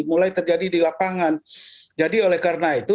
mulai terjadi di lapangan jadi oleh karena itu